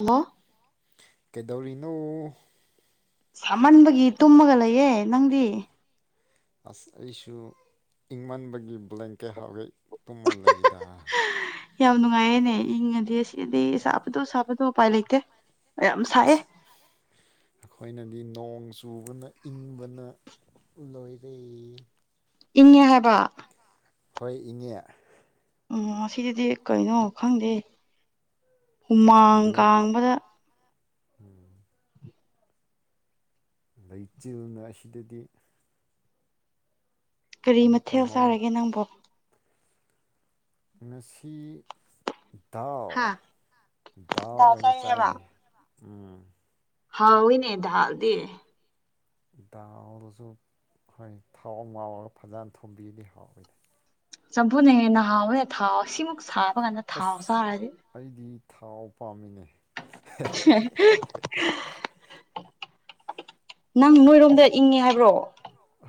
ꯑꯃꯥ ꯀꯩꯗꯧꯔꯤꯅꯣ ꯁꯥꯃꯟꯕꯒꯤ ꯇꯨꯝꯃꯒ ꯂꯩꯌꯦ ꯅꯪꯗꯤ ꯑꯁ ꯑꯩꯁꯨ ꯏꯪꯃꯟꯕꯒꯤ ꯕ꯭ꯂꯦꯡꯀꯦꯠ ꯍꯥꯞꯔꯤ ꯇꯨꯝꯃ ꯂꯩꯋꯤꯗ ꯌꯥꯝ ꯅꯨꯡꯉꯥꯏꯌꯦꯅꯦ ꯏꯪꯉꯗꯤ ꯑꯁꯤꯗꯤ ꯁꯥꯕꯗꯣ ꯁꯥꯕꯗꯣ ꯎꯄꯥꯏ ꯂꯩꯇꯦ ꯑ ꯌꯥꯝ ꯁꯥꯏꯑꯦ ꯑꯁ ꯑꯩꯈꯣꯏꯅꯗꯤ ꯅꯣꯡ ꯆꯨꯕꯅ ꯏꯪꯕꯅ ꯂꯣꯏꯔꯦ ꯏꯉꯦ ꯍꯥꯏꯕ ꯍꯣꯏ ꯏꯪꯉꯦ ꯑꯥ ꯁꯤꯗꯗꯤ ꯀꯩꯅꯣ ꯈꯪꯗꯦ ꯍꯨꯃꯥꯡ ꯕ꯭ꯂꯦꯡ ꯀꯥꯡꯕꯗ ꯑꯩꯗꯨꯅ ꯂꯩꯆꯤꯜꯗꯨꯗꯤ ꯀꯔꯤ ꯃꯊꯦꯜ ꯅꯣꯡ ꯆꯥꯔꯒꯦ ꯅꯪꯕꯣ ꯉꯁꯤ ꯗꯥꯜ ꯍꯥ ꯗꯥꯜ ꯑꯣꯏꯅ ꯆꯥꯏ ꯍꯥꯏꯕ ꯆꯥꯏꯌꯦ ꯎꯝ ꯍꯥꯎꯋꯤꯅꯦ ꯗꯥꯜꯗꯤ ꯗꯥꯜꯗꯨꯁꯨ ꯍꯣꯏ ꯊꯥꯎ ꯉꯥꯎꯔꯒ ꯐꯖꯅ ꯊꯣꯡꯕꯤꯗꯤ ꯍꯥꯎꯋꯤꯗ ꯆꯝꯐꯨꯠꯅ ꯍꯦꯟꯅ ꯍꯥꯎꯋꯦ ꯊꯥꯎ ꯁꯤꯃꯨꯛ ꯁꯥꯕ ꯀꯥꯟꯗ ꯊꯥꯎ ꯑꯁ ꯆꯥꯔꯗꯤ ꯑꯩꯗꯤ ꯊꯥꯎ ꯄꯥꯝꯃꯤꯅꯦ ꯍꯥ ꯑꯥ ꯅꯪ ꯅꯣꯏꯔꯣꯝꯗ ꯏꯪꯉꯦ ꯍꯥꯏꯕ꯭ꯔꯣ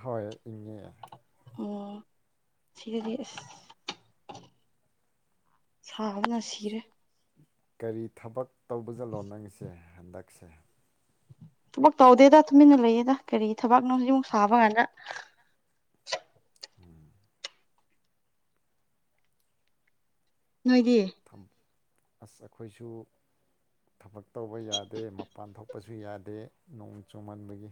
ꯍꯣꯏ ꯏꯉꯦ ꯑꯣ ꯁꯤꯗꯗꯤ ꯑꯁ ꯁꯥꯕꯅ ꯁꯤꯔꯦ ꯀꯔꯤ ꯊꯕꯛ ꯇꯧꯕ ꯆꯥꯠꯂꯣ ꯅꯪꯁꯦ ꯍꯟꯗꯛꯁꯦ ꯊꯕꯛ ꯇꯧꯗꯦꯗ ꯇꯨꯃꯤꯟꯅ ꯂꯩꯌꯦꯗ ꯀꯔꯤ ꯊꯕꯛꯅꯣ ꯁꯨꯛ ꯁꯥꯕ ꯀꯥꯟꯗ [inaudible] ꯅꯣꯏꯗꯤ ꯊꯝ- ꯑꯁ ꯑꯩꯈꯣꯏꯁꯨ ꯊꯕꯛ ꯇꯧꯕ ꯌꯥꯗꯦ ꯃꯄꯥꯟ ꯊꯣꯛꯄꯁꯨ ꯌꯥꯗꯦ ꯅꯣꯡ ꯆꯨꯃꯟꯕꯒꯤ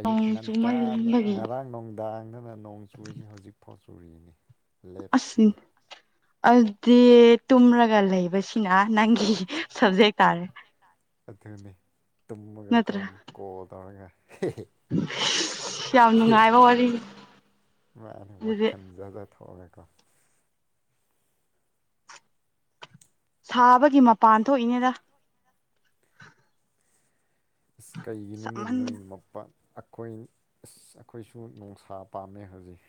ꯑꯌꯨꯛ ꯅꯣꯡ ꯉꯟꯇꯥꯗ ꯆꯨꯃꯟꯕꯒꯤ ꯉꯔꯥꯡ ꯅꯨꯡꯗꯥꯡꯗꯅ ꯅꯣꯡ ꯆꯨꯔꯤꯁꯤ ꯍꯧꯖꯤꯛꯐꯥꯎ ꯆꯨꯔꯤꯅꯤ ꯑꯁ ꯢ ꯂꯦꯞꯇꯅꯤ ꯑꯗꯨꯗꯤ ꯇꯨꯝꯔ ꯗꯤ ꯂꯩꯕꯁꯤꯅ ꯑ ꯅꯪꯒꯤ ꯁꯕꯖꯦꯛ ꯇꯥꯔꯦ ꯑꯗꯨꯅꯤ ꯇꯨꯝꯃꯒꯀꯣ ꯀꯣꯜ ꯇꯧꯔꯒꯦ ꯢꯁ ꯌꯥꯝ ꯅꯨꯡꯉꯥꯏꯕ ꯋꯥꯔꯤꯅꯤ ꯃꯥꯅ ꯑꯗꯨꯗꯤ ꯋꯥꯈꯜꯖꯗ [inaudible] ꯁꯥꯕꯒꯤ ꯃꯄꯥꯟ ꯊꯣꯛꯏꯅꯦꯗ ꯑꯁ ꯀꯩꯒꯤꯅꯣꯅꯦ ꯁꯥꯃꯟ ꯅꯣꯏꯅ ꯃꯄꯥꯟ ꯑꯩꯈꯣꯏ ꯑꯁ ꯑꯩꯈꯣꯏꯁꯨ ꯅꯨꯡꯁꯥ ꯄꯥꯝꯃꯦ ꯍꯧꯖꯤꯛ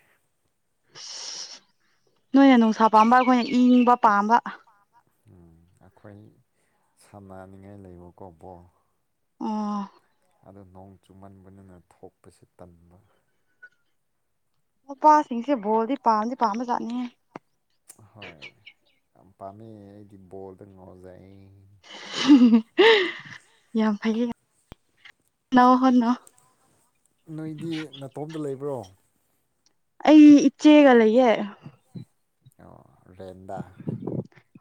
ꯑꯁ ꯅꯣꯏꯅ ꯅꯨꯡꯁꯥ ꯄꯥꯝꯕ ꯑꯩꯈꯣꯏꯅ ꯏꯪꯕ ꯄꯥꯝꯕ ꯑꯩꯈꯣꯏ ꯁꯥꯟꯅꯅꯤꯡꯉꯥꯏ ꯂꯩꯕꯀꯣ ꯕꯣꯜ ꯑꯣ ꯑꯗꯣ ꯅꯣꯡ ꯆꯨꯃꯟꯕꯅꯤꯅ ꯊꯣꯛꯄꯁꯨ ꯇꯟꯕ ꯅꯨꯄꯥꯁꯤꯡꯁꯦ ꯕꯣꯜꯗꯤ ꯄꯥꯝꯗꯤ ꯄꯥꯝꯕ ꯖꯥꯠꯅꯤꯍꯦ ꯍꯣꯢ ꯌꯥꯝ ꯄꯥꯝꯃꯦ ꯑꯩꯗꯤ ꯕꯣꯜꯗ ꯉꯥꯎꯖꯩ ꯍꯝꯍꯝꯍꯝ ꯌꯥꯝ ꯐꯩꯌꯦ ꯅ ꯍꯣꯠꯅꯧ ꯍꯣꯠꯅꯧ ꯅꯣꯏꯗꯤ ꯅꯥꯇꯣꯝꯗ ꯂꯩꯕ꯭ꯔꯣ ꯑꯩ ꯏꯆꯦꯒ ꯂꯩꯌꯦ ꯑꯣ ꯔꯦꯟꯗꯥ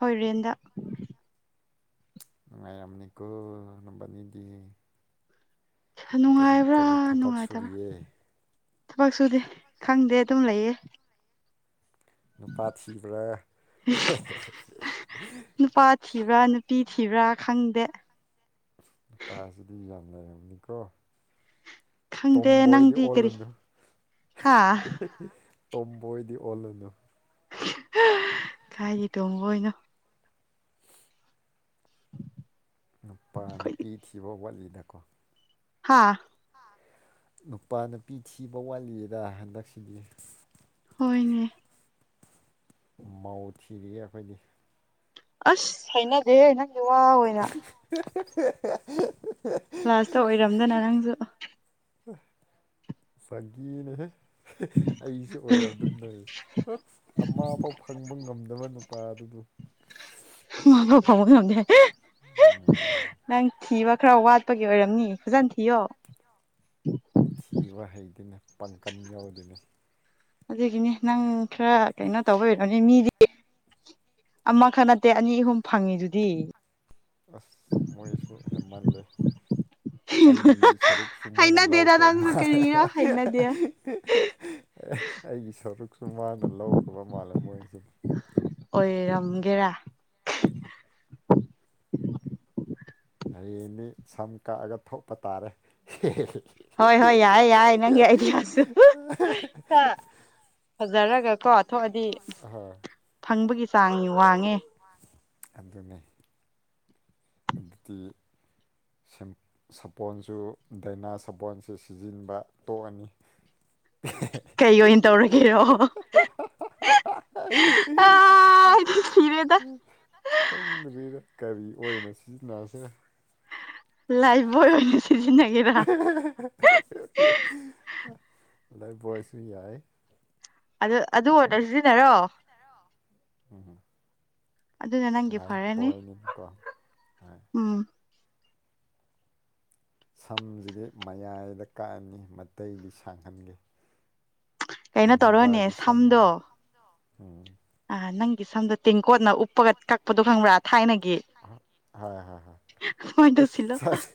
ꯍꯣꯏ ꯔꯦꯟꯗ ꯅꯨꯡꯉꯥꯏꯔꯝꯅꯤꯀꯣ ꯅꯕꯥꯟꯅꯤꯗꯤ ꯅꯨꯡꯉꯥꯏꯕ꯭ꯔꯥ ꯊꯕꯛ ꯅꯨꯡꯉꯥꯏꯇꯕ꯭ꯔꯥ ꯁꯨꯔꯤꯌꯦ ꯊꯕꯛ ꯁꯨꯗꯦ ꯈꯪꯗꯦ ꯑꯗꯨꯝ ꯂꯩꯌꯦ ꯅꯨꯄꯥ ꯊꯤꯕ꯭ꯔ ꯑꯦꯍꯦꯍꯦꯍ ꯅꯨꯄꯥ ꯊꯤꯕ꯭ꯔꯥ ꯅꯨꯄꯤ ꯊꯤꯕ꯭ꯔꯥ ꯈꯪꯗꯦ ꯅꯨꯄꯥ ꯁꯤꯗꯤ ꯌꯥꯝ ꯂꯩꯔꯝꯅꯤꯀꯣ ꯈꯪꯗꯦ ꯇꯣꯝꯕꯣꯏꯗꯤ ꯅꯪꯗꯤ ꯀꯔꯤ ꯑꯣꯜꯂꯨꯅꯨ ꯍꯥꯥ ꯇꯣꯝꯕꯣꯏꯗꯤ ꯑꯣꯜꯂꯅꯨ ꯍꯤ ꯍꯥ ꯀꯥꯏꯗꯩ ꯇꯣꯝꯕꯣꯢꯅꯣ ꯅꯨꯄꯥ ꯅꯨꯄꯤ ꯊꯤꯕ ꯋꯥꯠꯂꯤꯗꯀꯣ ꯍꯥꯥ ꯅꯨꯄꯥ ꯅꯨꯄꯤ ꯊꯤꯕ ꯋꯥꯠꯂꯤꯌꯦꯗ ꯍꯟꯗꯛꯁꯤꯗꯤ ꯍꯣꯏꯅꯦ ꯃꯧ ꯊꯤꯒꯦ ꯑꯩꯈꯣꯏꯗꯤ ꯑꯁ ꯍꯩꯅꯗꯦꯍꯦ ꯅꯪ ꯍꯐꯍꯥꯍꯥꯍ ꯂꯥꯁꯇ ꯑꯣꯏꯔꯝꯗꯅ ꯅꯪꯁꯨ ꯑ ꯐꯥꯒꯤꯅꯦꯍꯦ ꯍꯦ ꯑꯩꯁꯨ ꯑꯣꯏꯔꯝꯗꯝꯅ ꯇꯧꯏꯅꯦ ꯑꯃꯐꯥꯎ ꯐꯪꯕ ꯉꯝꯗꯕ ꯅꯨꯄꯥ ꯗꯨꯗ [inaudible] ꯑꯃꯐꯥꯎ ꯐꯪꯕ ꯉꯝꯗꯦ ꯍꯥꯢꯌꯦ ꯍꯍꯍꯥ ꯎꯝ ꯅꯪ ꯊꯤꯕ ꯈꯔ ꯋꯥꯠꯄꯒꯤ ꯑꯣꯏꯔꯝꯅꯤ ꯐꯖꯟ ꯊꯤꯌꯣ ꯕꯪꯀꯟ ꯌꯥꯎꯗꯕꯤ ꯑꯗꯨꯒꯤꯅꯦ ꯅꯪ ꯈꯔ ꯀꯩꯅꯣ ꯇꯧꯕꯩ ꯑꯣꯏꯔꯝꯅꯤ ꯃꯤꯗꯤ ꯑꯃꯈ ꯅꯠ ꯇꯦ ꯑꯅꯤ ꯑꯍꯨꯝ ꯐꯪꯉꯤꯗꯨꯗꯤ ꯑꯁ ꯃꯣꯏꯁꯨ ꯍꯦꯟꯃꯜꯂꯦ ꯑꯩꯒꯤ ꯁꯔꯨꯛꯁꯨ ꯃꯣꯏꯅ ꯍꯩꯅꯗꯦꯗ ꯂꯧꯈ꯭ꯔꯕ ꯅꯪꯁꯨ ꯃꯥꯜꯂꯦ ꯀꯔꯤꯔ ꯍꯦꯍꯦꯍꯍꯍ ꯍꯩꯅꯗꯦ ꯑꯦꯍ ꯑꯩꯒꯤ ꯁꯔꯨꯛꯁꯨ ꯃꯥꯅ ꯂꯧꯈ꯭ꯔꯕ ꯃꯥꯜꯂꯦ ꯃꯣꯏꯁꯤ ꯎꯨꯝꯒꯦꯔꯥ ꯍꯌꯦꯡꯗꯤ ꯁꯝ ꯀꯛꯑꯒ ꯊꯣꯛꯄ ꯇꯥꯔꯦ ꯍꯣꯏ ꯍꯣꯏ ꯌꯥꯏꯌꯦ ꯌꯥꯏ ꯅꯪꯒꯤ ꯑꯩꯒꯤ ꯌꯥꯁꯨ ꯍꯥ ꯐꯖꯔꯒꯀꯣ ꯊꯣꯛꯑꯗꯤ ꯑꯍꯣꯏ ꯐꯪꯕꯒꯤ ꯆꯥꯡ ꯋꯥꯡꯉꯦ ꯑꯗꯨꯅꯤ ꯑꯗꯨꯗꯤ ꯁ ꯁꯥꯄꯣꯟꯁꯨ ꯗꯥꯏꯅꯥ ꯁꯥꯄꯣꯟꯁꯨ ꯁꯤꯖꯤꯟꯕ ꯇꯣꯛꯑꯅꯤ [inaudible] ꯀꯩ ꯑꯣꯏꯅ ꯇꯧꯔꯒꯦꯔꯣ ꯑ ꯑꯩꯗꯤ ꯁꯤꯔꯦꯗ ꯈꯪꯗ꯭ꯔꯦꯗ ꯀꯔꯤ ꯑꯣꯏꯅ ꯁꯤꯖꯤꯟꯅꯁꯤꯔꯥ ꯂꯥꯏꯄꯕꯣꯏ ꯑꯣꯏꯅꯥ ꯑꯍ ꯍ ꯍ ꯍ ꯍ ꯂꯥꯏꯐꯕꯣꯏꯁꯨ ꯌꯥꯏ ꯑꯗꯨ ꯑꯗꯨ ꯑꯣꯏꯅ ꯁꯤꯖꯤꯟꯅꯔꯣ ꯎꯝꯝ ꯑꯗꯨꯅ ꯅꯪꯒꯤ ꯐꯔꯅꯤ ꯍꯣꯏ ꯎꯝ ꯁꯝꯁꯤꯗꯤ ꯃꯌꯥꯏꯗ ꯀꯛꯑꯅꯤ ꯃꯇꯩꯗꯤ ꯁꯥꯡꯍꯟꯒꯦ ꯀꯩꯅꯣ ꯇꯧꯔꯣꯅꯦ ꯍꯅꯨꯕꯥꯒꯤ ꯁꯝꯗꯣ ꯁꯝꯗ ꯎꯝ ꯑ ꯅꯪꯒꯤ ꯁꯝꯗ ꯇꯦꯡꯀꯣꯠꯅ ꯎꯞꯄꯒ ꯀꯛꯄꯗꯣ ꯈꯪꯕ꯭ꯔꯥ ꯊꯥꯏꯅꯒꯤ ꯍꯣꯏ ꯍꯣꯏ ꯍꯣꯏ ꯑꯗꯨꯃꯥꯏꯅ ꯑꯁ ꯇꯧꯁꯤꯜꯂꯣ ꯁꯥꯢꯁ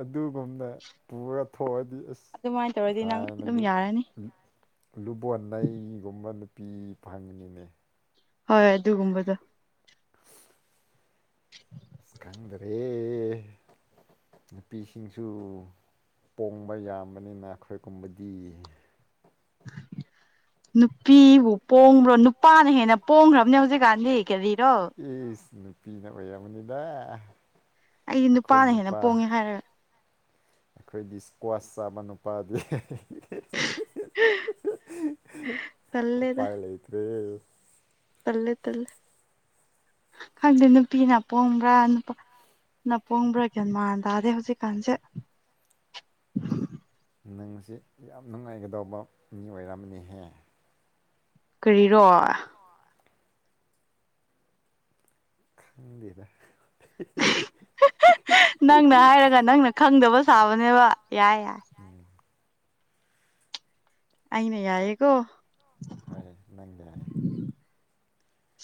ꯑꯗꯨꯒꯨꯝꯅ ꯄꯨꯔ ꯊꯣꯛꯑꯗꯤ ꯑꯁ ꯑꯗꯨꯃꯥꯏꯅ ꯇꯧꯔꯗꯤ ꯅꯪ ꯑꯗꯨꯝ ꯌꯥꯔꯅꯤ ꯂꯨꯕꯣꯟ ꯅꯩꯒꯨꯝꯕ ꯅꯨꯄꯤ ꯐꯪꯅꯤꯡꯉꯦ ꯍꯣꯏ ꯑꯗꯨꯒꯨꯝꯕꯗꯣ [inaudible] [inaudible] ꯈꯪꯗꯔꯦ ꯅꯨꯄꯤꯁꯤꯡꯁꯨ ꯄꯣꯡꯕ ꯌꯥꯝꯕꯅꯤꯅ ꯑꯈꯣꯏꯒꯨꯝꯕꯗꯤ ꯅꯨꯄꯤꯕꯨ ꯄꯣꯡꯕ꯭ꯔꯣ ꯅꯨꯄꯥꯅ ꯍꯦꯟꯅ ꯄꯣꯡꯈ꯭ꯔꯕꯅꯦ ꯍꯧꯖꯤꯛꯀꯥꯟꯗꯤ ꯀꯔꯤꯔꯣ ꯑꯦꯁ ꯅꯨꯄꯤꯅ ꯑꯣꯏꯔꯝꯒꯅꯤꯗ ꯑꯩꯗꯤ ꯅꯨꯄꯥꯅ ꯍꯦꯟꯅ ꯄꯣꯡꯉꯦ ꯍꯥꯏꯔꯒ ꯑꯈꯣꯏꯗꯤ ꯏꯁꯀ꯭ꯋꯥꯁ ꯄ ꯑꯃ ꯅꯨꯄꯥꯗꯤ ꯇꯜꯂꯦꯗ ꯑꯣꯄꯥꯏ ꯂꯩꯩꯇ꯭ꯔꯦ ꯇꯜꯂꯦ ꯇꯜꯂꯦ ꯈꯪꯗꯦ ꯅꯨꯄꯤꯅ ꯄꯣꯡꯕ꯭ꯔꯥ ꯅꯨꯄꯥ ꯅ ꯄꯣꯡꯕ꯭ꯔꯥ ꯒ꯭ꯌꯥꯟ ꯃꯥꯟ ꯇꯥꯗꯦ ꯍꯧꯖꯤꯛꯀꯥꯟꯁꯦ [inaudible] ꯅꯪꯁꯤ ꯌꯥꯝ ꯅꯨꯡꯉꯥꯏꯒꯗꯧꯕ ꯃꯤ ꯑꯣꯏꯔꯝꯃꯅꯤꯍꯦ ꯀꯔꯤꯔꯣ ꯈꯥꯡꯗꯦꯗ ꯅꯪꯅ ꯍꯥꯏꯔꯒ ꯅꯪꯅ ꯈꯪꯗꯕ ꯁꯥꯕꯅꯦꯕ ꯌꯥꯏ ꯌꯥꯏ ꯎꯝ ꯑꯩꯅ ꯌꯥꯏꯌꯦꯀꯣ ꯍꯣꯏ ꯅꯪ ꯌꯥꯏ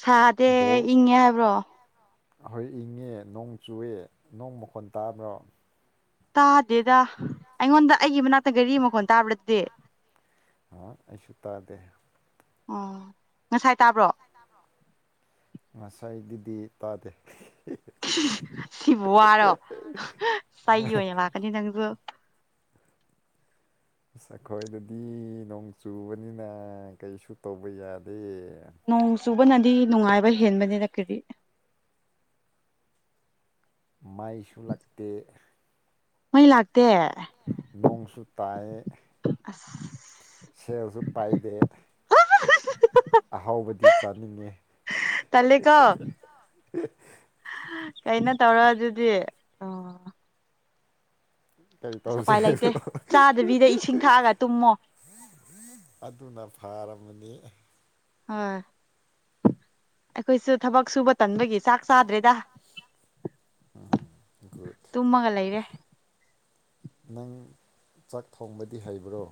ꯁꯥꯗꯦ ꯏꯪꯉꯦ ꯍꯥꯏꯕ꯭ꯔꯣ ꯑꯈꯣꯏ ꯏꯪꯉꯦ ꯅꯣꯡ ꯆꯨꯌꯦ ꯅꯣꯡ ꯃꯈꯣꯟ ꯇꯥꯕ꯭ꯔꯣ ꯇꯥꯗꯦꯗ ꯑꯩꯉꯣꯟꯗ ꯑꯩꯒꯤ ꯃꯅꯥꯛꯇ ꯒꯥꯔꯤ ꯃꯈꯣꯟ ꯇꯥꯕ꯭ꯔ ꯑꯗꯨꯗꯤ ꯑꯣ ꯑꯩꯁꯨꯨ ꯇꯥꯗꯦ ꯑꯣ ꯉꯁꯥꯏ ꯇꯥꯕ꯭ꯔꯣ ꯉꯁꯥꯏꯒꯤꯗꯤ ꯇꯥꯗꯦ ꯁꯤꯕꯨ ꯋꯥꯔꯣ ꯆꯩ ꯑꯣꯏꯅ ꯂꯥꯛꯀꯅꯤ ꯅꯪꯁꯨ ꯑꯁ ꯑꯩꯈꯣꯏꯗꯗꯤ ꯅꯣꯡ ꯆꯨꯕꯅꯤꯅ ꯀꯔꯤꯁꯨ ꯇꯧꯕ ꯌꯥꯗꯦ ꯅꯣꯡ ꯆꯨꯕꯅꯗꯤ ꯅꯨꯡꯉꯥꯏꯕ ꯍꯦꯟꯕꯅꯦꯗ ꯀꯔꯤ ꯃꯥꯏꯁꯨ ꯂꯥꯛꯇꯦ ꯃꯩ ꯂꯥꯛꯇꯦ ꯅꯣꯡꯁꯨ ꯇꯥꯏꯌꯦ ꯑꯁ ꯁꯦꯜꯁꯨ ꯄꯥꯏꯗꯦ ꯑꯍꯥꯎꯕꯗꯤ ꯆꯥꯅꯤꯡꯉꯦ ꯍꯦꯍꯦꯍꯦ ꯇꯜꯂꯦꯀꯣ ꯀꯩꯅꯣ ꯇꯧꯔꯣ ꯑꯗꯨꯗꯤ ꯑꯣ ꯀꯔꯤ ꯑꯁ ꯇꯧꯁꯦ ꯎꯄꯥꯏ ꯂꯩꯇꯦ ꯆꯥꯗꯕꯤꯗ ꯏꯁꯤꯡ ꯊꯛꯑꯒ ꯇꯨꯝꯃꯣ ꯑꯗꯨꯅ ꯐꯥꯔꯝꯃꯅꯤ ꯍꯥ ꯑꯩꯈꯣꯏꯁꯨ ꯊꯕꯛ ꯁꯨꯕ ꯇꯟꯕꯒꯤ ꯆꯥꯛ ꯆꯥꯗ꯭ꯔꯦꯗ ꯒꯨꯗ ꯇꯨꯝꯃꯒ ꯂꯩꯔꯦ ꯅꯪ ꯆꯥꯛ ꯊꯣꯡꯕꯗꯤ ꯍꯩꯕ꯭ꯔꯣ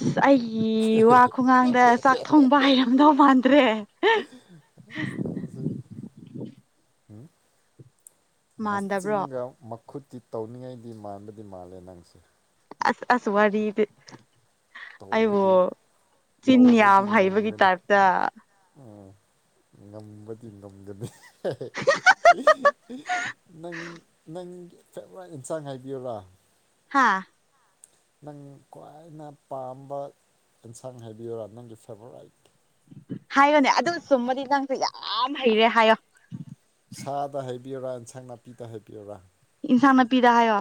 ꯍꯤꯁ ꯑꯩꯒꯤ ꯋꯥ ꯈꯨꯉꯥꯡꯗ ꯆꯥꯛ ꯊꯣꯡꯕ ꯍꯩꯔꯝꯗꯧ ꯃꯥꯟꯗ꯭ꯔꯦ ꯅꯪꯖꯨ ꯎꯝ ꯃꯥꯟꯗꯕ꯭ꯔꯣ ꯃꯆꯤꯟꯒ ꯃ ꯈꯨꯠꯇꯤ ꯇꯧꯅꯤꯡꯉꯥꯏꯗꯤ ꯃꯥꯟꯕꯗꯤ ꯃꯥꯜꯂꯦ ꯅꯪꯁꯦ ꯑꯁ ꯑꯁ ꯋꯥꯔꯤꯗꯤ ꯑꯩꯕꯨ ꯇꯧꯕꯗꯤ ꯆꯤꯟ ꯇꯧꯕꯗꯤ ꯌꯥꯝ ꯍꯩꯕꯒꯤ ꯉꯝꯒꯅꯤ ꯇꯥꯏꯞꯇ ꯉꯝꯕꯗꯤ ꯉꯝꯒꯅꯤ ꯍꯦꯍꯦ ꯅꯪꯅꯪ ꯐꯦꯕꯔꯥꯢꯠ ꯢꯟꯁꯥꯡ ꯍꯥꯏꯕꯤꯌꯨꯔꯥ ꯍꯥꯥ ꯅꯪ ꯈ꯭ꯋꯥꯏꯅ ꯄꯥꯝꯕ ꯑꯦꯟꯁꯥꯡ ꯍꯥꯏꯕꯤꯌꯨꯔꯥ ꯅꯪꯒꯤ ꯐꯦꯚꯣꯔꯥꯏꯠ ꯍꯥꯏꯌꯣꯅꯦ ꯑꯗꯨ ꯆꯨꯝꯃꯗꯤ ꯅꯪꯁꯨ ꯌꯥꯝ ꯍꯩꯔꯦ ꯍꯥꯏꯌꯣ ꯁꯥꯗ ꯍꯥꯏꯕꯤꯌꯨꯔꯥ ꯏꯟꯁꯥꯡ ꯅꯥꯄꯤꯗ ꯍꯥꯏꯕꯤꯌꯨꯔꯥ ꯏꯟꯁꯥꯡ ꯅꯥꯄꯤꯗ ꯍꯥꯏꯌꯣ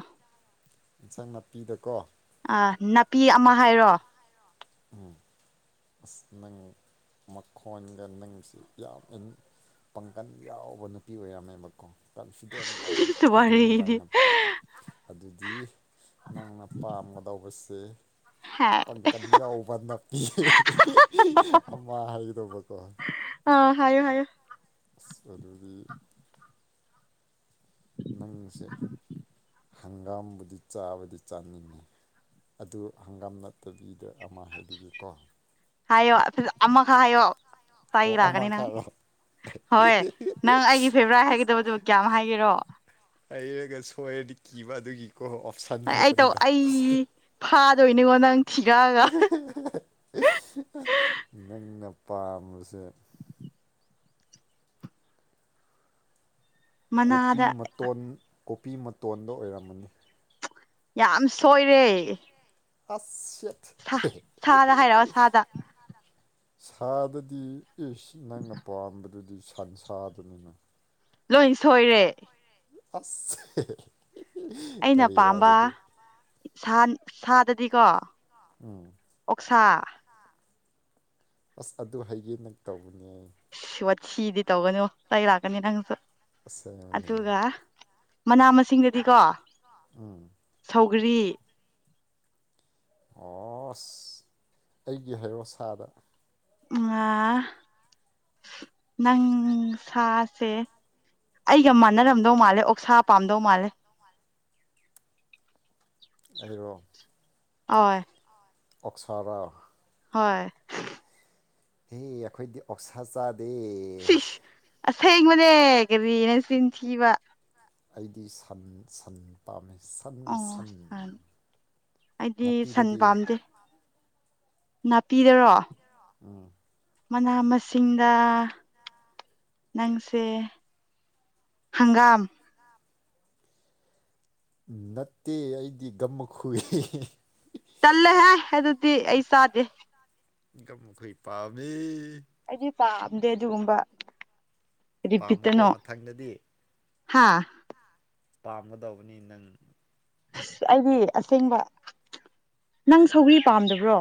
ꯏꯟꯁꯥꯡ ꯅꯥꯄꯤꯗꯀꯣ ꯑ ꯅꯥꯄꯤ ꯑꯃ ꯍꯥꯏꯔꯣ ꯎꯝ ꯑꯁ ꯅꯪ ꯃꯈꯣꯟꯒ ꯅꯪꯁꯤ ꯌꯥꯝ ꯏꯟ ꯄꯥꯡꯒꯟ ꯌꯥꯎꯕ ꯅꯨꯄꯤ ꯑꯣꯏꯔꯝꯃꯦꯕꯀꯣ ꯀꯟꯐꯤꯗꯦꯟ ꯋꯥꯡꯕ ꯑꯗꯨꯅꯦꯕ ꯋꯥꯔꯤꯗꯤ ꯑꯩꯅ ꯑꯗꯨꯗꯤ ꯅꯪꯅ ꯄꯥꯝꯒꯗꯧꯕꯁꯦ ꯍꯥꯏ ꯄꯪꯀꯟ ꯌꯥꯎꯕ ꯅꯥꯄꯤ ꯍꯦꯍꯦꯍꯦꯍꯦꯍꯦ ꯑꯃ ꯍꯥꯏꯒꯗꯕꯀꯣ ꯑꯥ ꯍꯥꯏꯌꯣ ꯍꯥꯏꯌꯣ ꯁꯤꯁ ꯑꯗꯨꯗꯤ ꯅꯪꯁꯦ ꯍꯪꯒꯥꯝꯕꯨꯗꯤ ꯆꯥꯕꯗꯤ ꯆꯥꯅꯤꯡꯉꯤ ꯑꯗꯨ ꯍꯪꯒꯥꯝ ꯅꯠꯇꯕꯤꯗ ꯑꯃ ꯍꯥꯏꯕꯤꯒꯦꯀꯣ ꯍꯥꯢꯌꯣ ꯐꯥꯖ ꯑꯃꯈꯛ ꯍꯥꯢꯌꯣ ꯑꯣ ꯑꯃꯈꯛ ꯔꯣ ꯍꯣꯏ ꯅꯪ ꯑꯩꯒꯤ ꯐꯦꯕ꯭ꯔꯥꯏꯠ ꯍꯥꯏꯒꯗꯕꯗꯨ ꯀꯌꯥꯝ ꯍꯥꯏꯒꯦꯔꯣ ꯑꯩꯔꯒ ꯁꯣꯏꯔꯗꯤ ꯀꯤꯕ ꯑꯗꯨꯒꯤꯀꯣ ꯑꯣꯞꯁꯟ ꯊꯣꯛꯄꯅꯤꯗ ꯗꯨꯒꯤꯅꯤꯀꯣ ꯅꯪ ꯊꯤꯔꯛꯑꯒ ꯑꯍꯦꯍꯦꯍꯦꯍꯦ ꯑꯦ ꯑ ꯅꯪꯅ ꯄꯥꯝꯕꯁꯦ ꯀꯣꯄꯤ ꯃꯅꯥꯗ ꯃꯇꯣꯟ ꯀꯣꯄꯤ ꯃꯇꯣꯟꯗꯣ ꯑꯣꯏꯔꯝꯃꯅꯤ ꯌꯥꯝ ꯁꯣꯏꯔꯦ ꯑꯁ ꯁꯦꯠ ꯁꯥ ꯁꯥꯗ ꯍꯥꯏꯔꯛꯑꯣ ꯁꯥꯗ ꯁꯥꯗꯗꯤ ꯏꯁ ꯅꯪꯅ ꯄꯥꯝꯕꯗꯨꯗꯤ ꯁꯟꯁꯥꯗꯨꯅꯤꯅꯦ ꯂꯣꯏꯟ ꯁꯣꯏꯔꯦ ꯑꯁ ꯍꯦ ꯑꯩꯅ ꯄꯥꯝꯕ ꯁꯥ ꯁꯥꯗꯗꯤꯀꯣ ꯑꯣꯛꯁꯥ ꯑꯁ ꯑꯗꯨ ꯍꯥꯏꯒꯦꯅ ꯇꯧꯕꯅꯦ ꯋꯥꯊꯤꯗꯤ ꯇꯧꯒꯅꯣ ꯆꯩ ꯂꯥꯛꯀꯅꯤ ꯅꯪꯁꯨ ꯑꯁꯦꯡꯕꯅꯦ ꯑꯗꯨꯒ ꯃꯅꯥ ꯃꯁꯤꯡꯗꯗꯤꯀꯣ ꯎꯝ ꯁꯧꯒ꯭ꯔꯤ ꯑꯣꯁ ꯑꯩꯒꯤ ꯍꯥꯏꯔꯣ ꯁꯥꯗ ꯎꯝ ꯑꯥ ꯅꯪ ꯁꯥꯁꯦ ꯑꯩꯒ ꯃꯥꯟꯅꯔꯝꯗꯧ ꯃꯥꯜꯂꯦ ꯑꯣꯛꯁꯥ ꯄꯥꯝꯗꯧ ꯃꯥꯜꯂꯦ ꯑꯩꯔꯣ ꯑꯣꯢ ꯑꯣꯛꯁꯥꯔꯣ ꯍꯣꯏ ꯑꯦ ꯑꯈꯣꯏꯗꯤ ꯑꯣꯛꯁꯥ ꯆꯥ ꯁꯤꯁ ꯑꯁꯦꯡꯕꯅꯦ ꯀꯔꯤ ꯅꯆꯤꯟ ꯊꯤꯕ ꯑꯩꯗꯤ ꯁꯟ ꯁꯟ ꯄꯥꯝꯃꯦ ꯁꯟꯒꯤ ꯑꯣ ꯁꯟ ꯑ ꯑꯩꯗꯤ ꯁꯟ ꯅꯥꯄꯤꯗꯗꯤ ꯄꯥꯝꯗꯦ ꯅꯥꯄꯤꯗꯔꯣ ꯎꯝ ꯃꯅꯥ ꯃꯁꯤꯡꯗ ꯅꯪꯁꯦ ꯍꯪꯒꯥꯝ ꯅꯠꯇꯦ ꯑꯩꯗꯤ ꯒꯝ ꯈꯨꯨꯏ ꯇꯜꯂꯍꯦ ꯑꯗꯨꯗꯤ ꯑꯩ ꯆꯥꯗꯦ ꯒꯝ ꯃꯈꯨꯢ ꯄꯥꯝꯃꯦ ꯑꯩꯗꯤ ꯄꯥꯝꯗꯦ ꯑꯗꯨꯒꯨꯝꯕ ꯄꯥꯝꯃꯨꯀꯣ ꯃꯊꯪꯗꯗꯤ ꯍꯥꯥ ꯄꯥꯝꯒꯗꯧꯕꯅꯤ ꯅꯪ ꯑꯁ ꯑꯩꯗꯤ ꯑꯁꯦꯡꯕ ꯅꯪ ꯁꯧꯒ꯭ꯔꯤ ꯄꯥꯝꯗꯕ꯭ꯔꯣ